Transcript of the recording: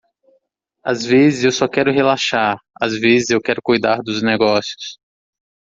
Às vezes eu só quero relaxar? às vezes eu quero cuidar dos negócios.